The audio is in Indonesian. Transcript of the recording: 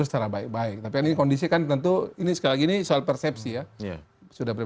orang internal internal partai